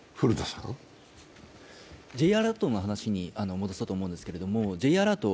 Ｊアラートの話に戻そうと思うんですけど、Ｊアラート、